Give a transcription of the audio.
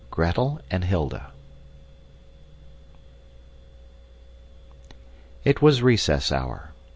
Gretel and Hilda It was recess hour.